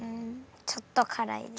ちょっとからい。